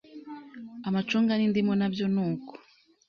Amacunga n’indimu nabyo nuko